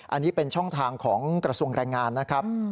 อันนี้เป็นช่องทางของกระทรวงแรงงานนะครับ